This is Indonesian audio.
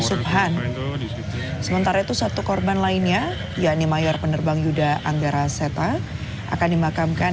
subhan sementara itu satu korban lainnya yakni mayor penerbang yuda anggara seta akan dimakamkan